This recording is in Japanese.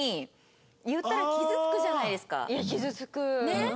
ねっ？